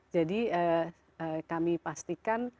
jadi kami pastikan